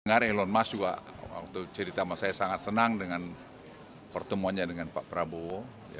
ngare elon musk juga waktu cerita sama saya sangat senang dengan pertemuannya dengan pak prabowo